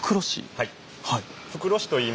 はい。